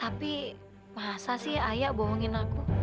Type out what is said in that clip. tapi bahasa sih ayah bohongin aku